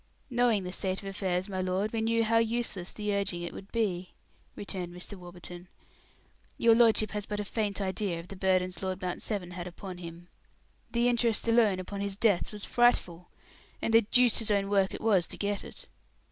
"Knowing the state of his affairs, my lord, we knew how useless the urging it would be," returned Mr. Warburton. "Your lordship has but a faint idea of the burdens Lord Mount Severn had upon him. The interest alone upon his debts was frightful and the deuce's own work it was to get it.